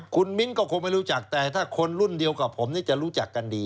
คุณมิ้นก็คงไม่รู้จักแต่ถ้าคนรุ่นเดียวกับผมจะรู้จักกันดี